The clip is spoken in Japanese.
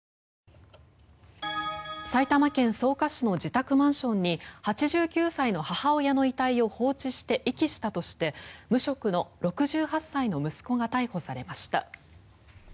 埼玉県草加市の自宅マンションに８９歳の母親の遺体を放置して遺棄したとして無職の６８歳の息子が逮捕されました。